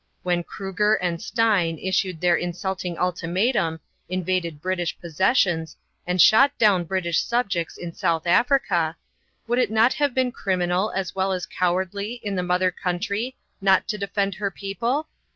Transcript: When Kruger and Steyn issued their insulting ultimatum, invaded British possessions, and shot down British subjects in South Africa, would it not have been criminal as well as cowardly in the mother country not to defend her people?